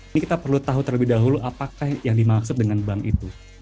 ini kita perlu tahu terlebih dahulu apakah yang dimaksud dengan bank itu